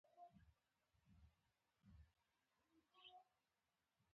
د بیدمشک عرق د څه لپاره وکاروم؟